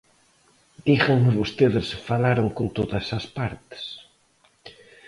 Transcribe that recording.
Díganme vostedes se falaron con todas as partes.